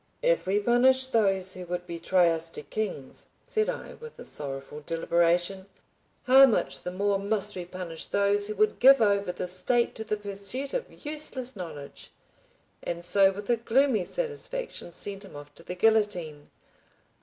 "If we punish those who would betray us to Kings," said I, with a sorrowful deliberation, "how much the more must we punish those who would give over the State to the pursuit of useless knowledge"; and so with a gloomy satisfaction sent him off to the guillotine.